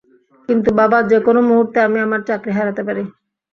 কিন্তু, বাবা যেকোনো মুহূর্তে আমি আমার চাকরি হারাতে পারি।